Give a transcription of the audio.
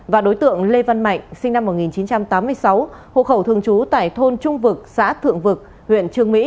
và đối tượng lê văn mạnh sinh năm một nghìn chín trăm tám mươi sáu hộ khẩu thường trú tại thôn trung vực xã thượng vực huyện trương mỹ